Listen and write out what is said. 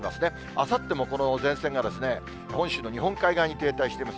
あさっても、この前線が本州の日本海側に停滞しています。